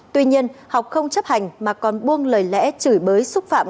tuy nhiên học không chấp hành mà còn buông lời lẽ chửi bới xúc phạm